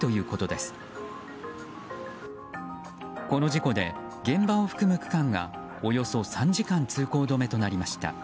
この事故で現場を含む区間がおよそ３時間通行止めとなりました。